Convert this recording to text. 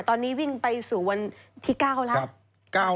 ตอนนี้วิ่งไปสู่วันที่๙แล้ว